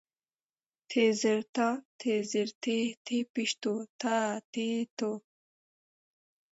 ت زر تا، ت زېر تي، ت پېښ تو، تا تي تو